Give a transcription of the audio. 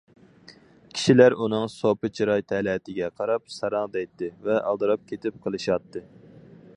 كىشىلەر ئۇنىڭ سوپى چىراي تەلەتىگە قاراپ« ساراڭ» دەيتتى ۋە ئالدىراپ كېتىپ قېلىشاتتى.